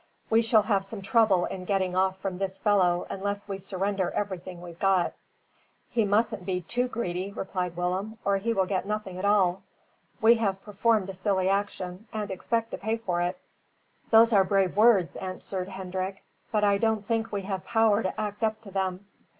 "We shall have some trouble in getting off from this fellow unless we surrender everything we've got." "He mustn't be too greedy," replied Willem, "or he will get nothing at all. We have performed a silly action, and expect to pay for it." "Those are brave words," answered Hendrik, "but I don't think we have power to act up to them.